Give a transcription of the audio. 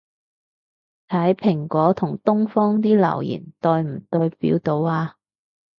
睇蘋果同東方啲留言代唔代表到吖